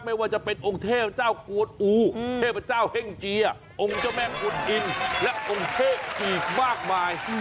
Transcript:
ไม่ว่าจะเป็นองค์เทพเจ้ากวนอูเทพเจ้าเฮ่งเจียองค์เจ้าแม่กวนอินและองค์เทพอีกมากมาย